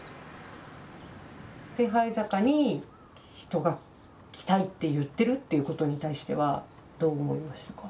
手這坂に人が来たいって言ってるっていうことに対してはどう思いましたか？